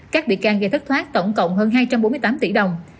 các bị can gây thất thoát tổng cộng hơn hai trăm bốn mươi tám tỷ đồng